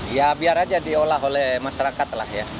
ya biar aja diolah oleh masyarakat lah ya